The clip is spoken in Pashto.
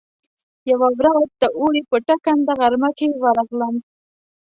يوه ورځ د اوړي په ټکنده غرمه کې ورغلم.